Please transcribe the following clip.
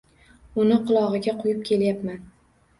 Uni qulog‘iga quyib kelyapman.